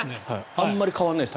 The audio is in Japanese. あまり体調変わらないです。